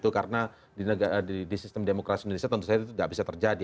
karena di sistem demokrasi indonesia tentu saja itu tidak bisa terjadi